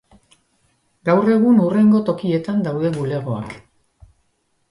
Gaur egun hurrengo tokietan daude bulegoak.